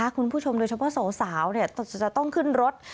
คุณผู้ชมโดยเฉพาะสาวจะต้องขึ้นรถ